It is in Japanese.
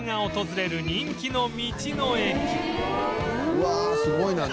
「うわすごいな」